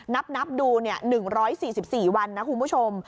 นับนับดูเนี้ย๑๔๔วันนะคุณผู้ชม